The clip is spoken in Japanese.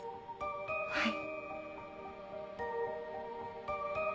はい。